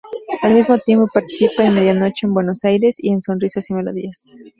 Al mismo tiempo participa en "Medianoche en Buenos Aires" y en "Sonrisas y melodías".